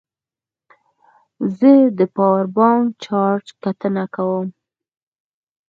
زه د پاور بانک چارج کتنه کوم.